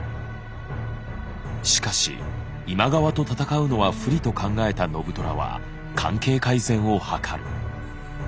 しかし今川と戦うのは不利と考えた信虎は関係改善を図る。